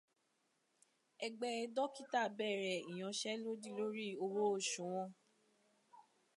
Ẹgbẹ́ dókítà bẹ̀rẹ̀ ìyanṣẹ́lódì lórí owó oṣù wọn.